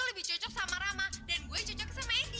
lebih cocok sama rama dan gue cocok sama egy